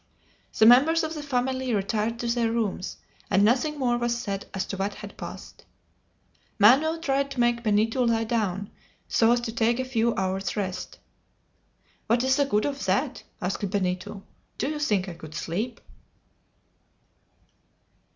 The members of the family retired to their rooms, and nothing more was said as to what had passed. Manoel tried to make Benito lie down, so as to take a few hours' rest. "What is the good of that?" asked Benito. "Do you think I could sleep?"